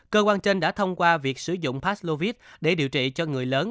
cơ quan trên đã thông qua việc sử dụng passlovite để điều trị cho người lớn